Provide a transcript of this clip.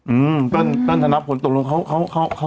อืมเติ้ลถนับผลตกลงเขาติดเลยเหรอ